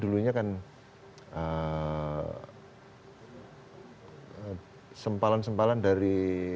dulunya kan sempalan sempalan dari